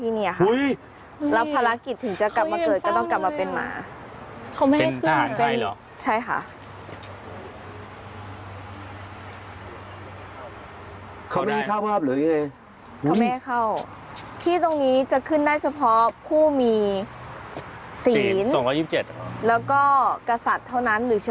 หรือเชื้อพฐวงน์เท่านั้นค่ะ